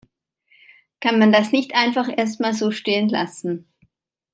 Kann man das nicht einfach erstmal so stehen lassen?